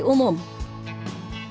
pembangunan ruu permusikan